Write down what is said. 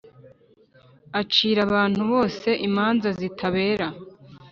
acira abantu bose imanza zitabera.